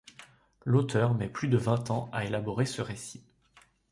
L'auteur met plus de vingt ans à élaborer ce récit.